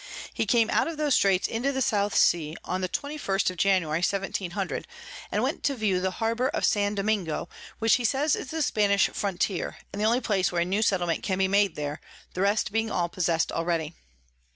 He came out of those Straits into the South Sea on the 21_st_ of January, 1700. and went to view the Harbour of San Domingo, which he says is the Spanish Frontier, and the only Place where a new Settlement can be made there, the rest being all possess'd already.